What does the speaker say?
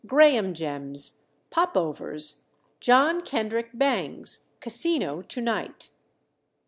Graham Gems. Popovers. John Kendrick Bangs, Casino, To night.